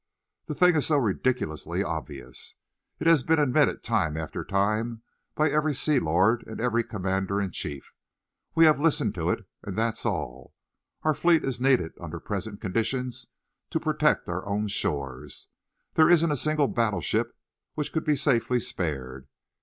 The thing is so ridiculously obvious. It has been admitted time after time by every sea lord and every commander in chief. We have listened to it, and that's all. Our fleet is needed under present conditions to protect our own shores. There isn't a single battleship which could be safely spared.